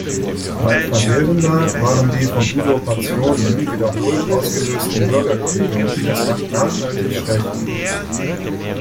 Weit verheerender waren die von Usurpationen wiederholt ausgelösten Bürgerkriege, die das Land nachhaltig schwächten.